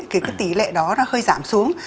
thì cái tỷ lệ đó nó hơi giảm xuống